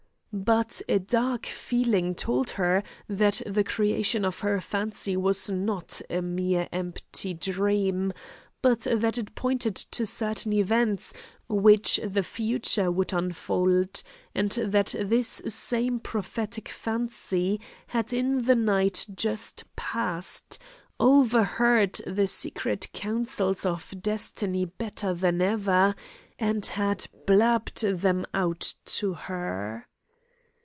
But a dark feeling told her that the creation of her fancy was not a mere empty dream, but that it pointed to certain events, which the future would unfold, and that this same prophetic fancy, had in the night just passed, overheard the secret counsels of destiny better than ever, and had blabbed them out to her.